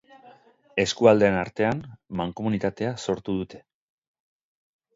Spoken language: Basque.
Eskualdeen artean, mankomunitatea sortu dute.